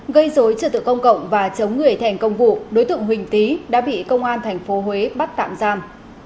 gây dối trợ tự công cộng và chống người thành công vụ đối tượng huỳnh tý đã bị công an thành phố huế bắt tạm giam